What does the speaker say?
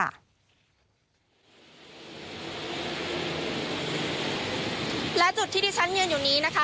และจุดที่ดิฉันเงินอยู่นี้นะคะ